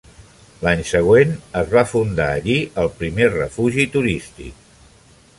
L'any següent es va fundar allí el primer refugi turístic.